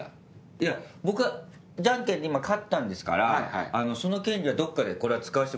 いや僕じゃんけんで今勝ったんですからその権利はどっかでこれは使わせてください。